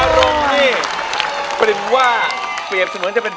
ร้องได้ให้ร้อง